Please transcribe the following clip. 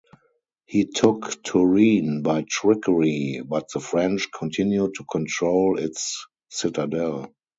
He took Turin by trickery, but the French continued to control its citadel.